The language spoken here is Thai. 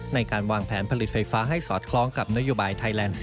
ในการวางแผนผลิตไฟฟ้าให้สอดคล้องกับนโยบายไทยแลนด์